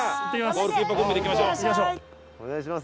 最後お願いします